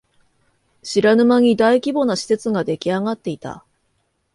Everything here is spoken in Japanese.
知らぬ間に大規模な施設ができあがっていた